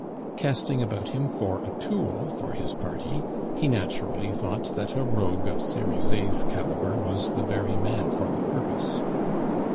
Casting about him for a tool for his party, he naturally thought that a rogue of Cerizet's calibre was the very man for the purpose.